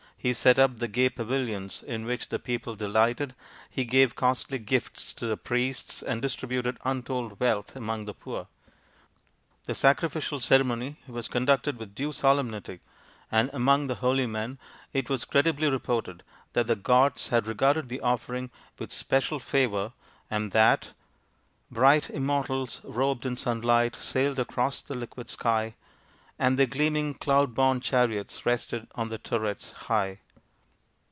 He set up the gay pavilions in which the people delighted, he gave costly gifts to the priests, and distributed untold wealth among the poor. The sacrificial ceremony was conducted with due solemnity, and among the holy men it was credibly reported that the gods had regarded the offering with special favour, and that " Bright Immortals, robed in sunlight, sailed across the liquid sky, And their gleaming cloud borne chariots rested on the turrets high."